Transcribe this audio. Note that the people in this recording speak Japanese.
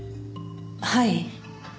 はい。